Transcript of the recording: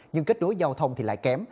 nhưng kết đối giao thông thì lại kém